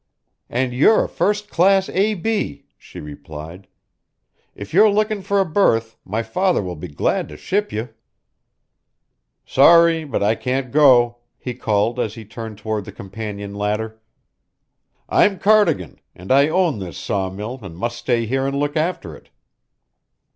"And you're a first class A. B.," she replied. "If you're looking for a berth, my father will be glad to ship you." "Sorry, but I can't go," he called as he turned toward the companion ladder. "I'm Cardigan, and I own this sawmill and must stay here and look after it."